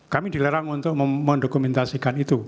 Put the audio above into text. kami dilarang untuk mendokumentasikan itu